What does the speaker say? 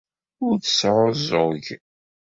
Ur tesɛuẓẓug.